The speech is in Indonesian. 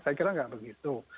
saya kira gak begitu